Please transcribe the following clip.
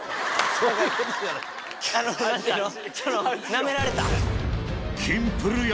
なめられた。